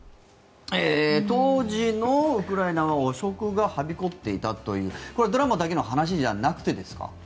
当時のウクライナは汚職がはびこっていたというこれはドラマだけの話じゃなくてですか？